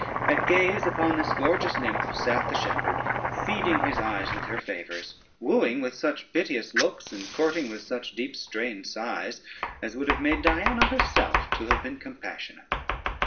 At gaze upon the gorgeous nymph sat the shepherd, feeding his eyes with her favors, wooing with such piteous looks; and courting with such deep strained sighs, as would have made Diana herself to have been compassionate.